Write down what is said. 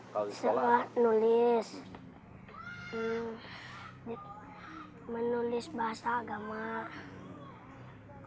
kalau di sekolah